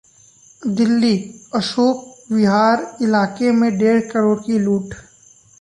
दिल्ली: अशोक विहार इलाके से डेढ़ करोड़ की लूट